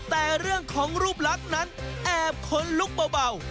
แต่เรื่องของรูปลักษณ์นั้นแอบขนลุกเบา